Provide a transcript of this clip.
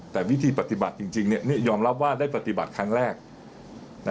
แต่วิธีปฏิบัติจริงยอมรับว่าได้ปฏิบัติครั้งแรก